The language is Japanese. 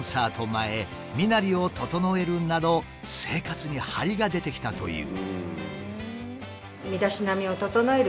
前身なりを整えるなど生活に張りが出てきたという。